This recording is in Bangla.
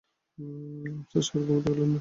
আফসার সাহেব ঘুমুতে গেলেন না।